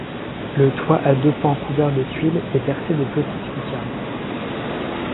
Le toit à deux pans couvert de tuiles est percé de petites lucarnes.